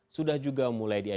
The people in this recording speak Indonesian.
sudah selesai itu